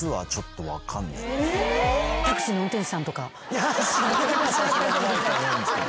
いやないと思うんですけど。